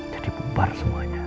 jadi bubar semuanya